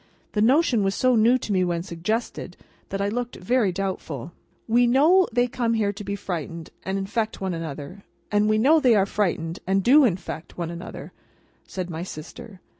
The notion was so new to me when suggested, that I looked very doubtful. "We know they come here to be frightened and infect one another, and we know they are frightened and do infect one another," said my sister.